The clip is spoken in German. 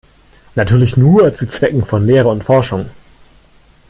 Natürlich nur zu Zwecken von Lehre und Forschung.